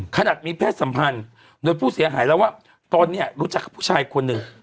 ขนาดมีเพศสัมพันธ์โดยผู้เสียหายแล้วว่าตนเนี่ยรู้จักกับผู้ชายคนหนึ่ง